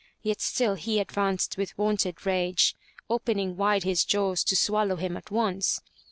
Yet still he advanced with wonted rage, opening wide his jaws to swallow him at once.